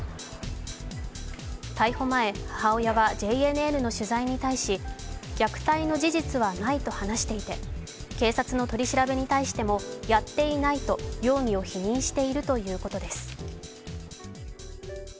逮捕前、母親はＪＮＮの取材に対し虐待の事実はないと話していて警察の取り調べに対しても、やっていないと容疑を否認しているということです。